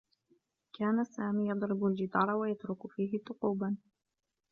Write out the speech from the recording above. كان سامي يضرب الجدار و يترك فيه ثقوبا.